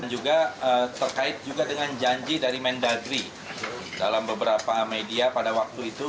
dan juga terkait juga dengan janji dari mendagri dalam beberapa media pada waktu itu